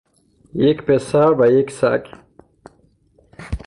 یک پسر و یک سگ